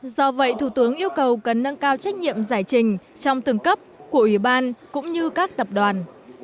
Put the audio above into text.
do vậy thủ tướng yêu cầu cần nâng cao trách nhiệm giải trình trong từng cấp của ủy ban cũng như các tập đoàn